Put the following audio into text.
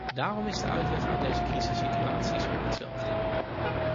Daarom is de uitweg uit deze crisissituaties ook dezelfde.